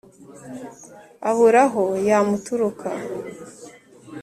a bura ho y’ amuturuka